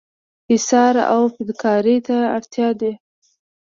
ایثار او فداکارۍ ته تیار دي.